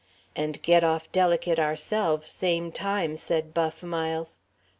"And get off delicate ourselves same time," said Buff Miles.